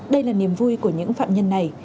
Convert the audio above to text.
đây là niềm vui của những phạm nhân này